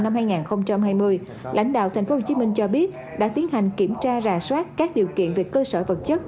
năm hai nghìn hai mươi lãnh đạo tp hcm cho biết đã tiến hành kiểm tra rà soát các điều kiện về cơ sở vật chất